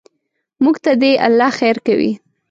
موږ ته دې الله خیر کوي.